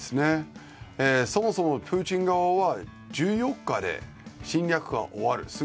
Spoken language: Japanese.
そもそもプーチン側は１４日で侵略は終わる。